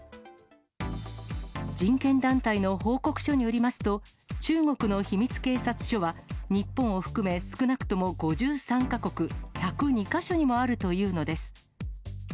人権団体の報告書によりますと、中国の秘密警察署は、日本を含め、少なくとも５３か国１０２か所にもあるというのです。